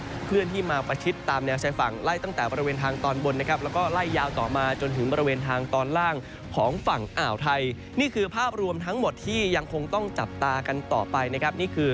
ิขลุนที่มาประชิดตามแนวกลอกทางชายฝั่ง